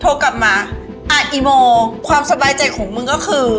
โทรกลับมาอาอีโมความสบายใจของมึงก็คือ